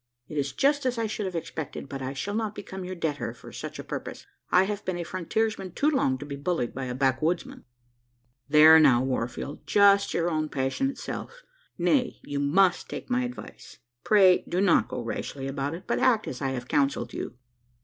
it is just as I should have expected; but I shall not become your debtor for such a purpose. I have been a frontiersman too long to be bullied by a backwoodsman " "There now, Warfield, just your own passionate self! Nay, you must take my advice. Pray, do not go rashly about it, but act as I have counselled you."